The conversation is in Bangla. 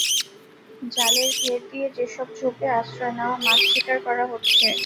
জালের ঘের দিয়ে সেসব ঝোপে আশ্রয় নেওয়া মাছ শিকার করা হচ্ছে।